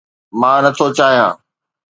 مان نٿو چاهيان